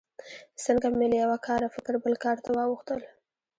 څنګه مې له یوه کاره فکر بل کار ته واوښتل.